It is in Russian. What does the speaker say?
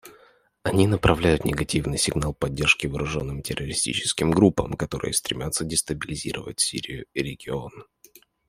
Они направляют негативный сигнал поддержки вооруженным террористическим группам, которые стремятся дестабилизировать Сирию и регион.